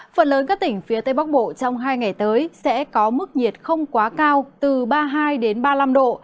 phần lớn các tỉnh phía tây bắc bộ trong hai ngày tới sẽ có mức nhiệt không quá cao từ ba mươi hai ba mươi năm độ